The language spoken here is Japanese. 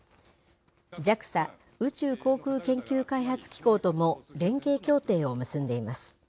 ＪＡＸＡ・宇宙航空研究開発機構とも連携協定を結んでいます。